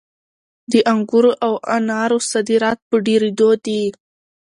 د انګورو او انارو صادرات په ډېرېدو دي.